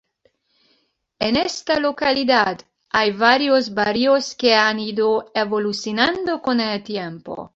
En esta localidad hay varios barrios que han ido evolucionando con el tiempo.